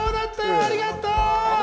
ありがとう。